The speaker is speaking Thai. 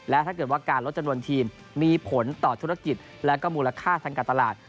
และถ้าเกิดว่าการลดจำนวนทีมมีผลต่อธุรกิจและก็มูลค่าทางการตลาด